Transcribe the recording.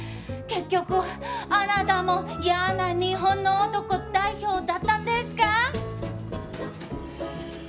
結局あなたもイヤな日本の男代表だったんですか？